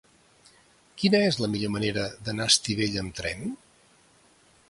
Quina és la millor manera d'anar a Estivella amb tren?